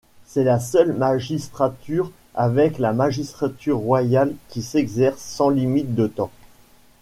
C’est la seule magistrature avec la magistrature royale qui s’exerce sans limite de temps.